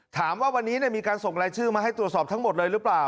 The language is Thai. ถามว่าวันนี้มีการส่งรายชื่อมาให้ตรวจสอบทั้งหมดเลยหรือเปล่า